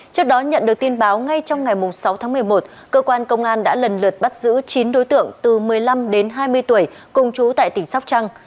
trước đó nhận được tin báo ngay trong ngày sáu tháng một mươi một cơ quan công an đã lần lượt bắt giữ chín đối tượng từ một mươi năm đến hai mươi tuổi cùng chú tại tỉnh sóc trăng